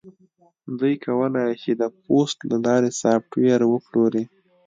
دوی کولی شي د پوست له لارې سافټویر وپلوري